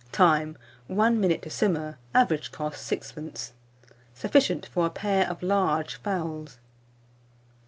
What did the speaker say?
Time. 1 minute to simmer. Average cost, 6d. Sufficient for a pair of large fowls.